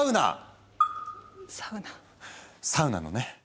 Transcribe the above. サウナのね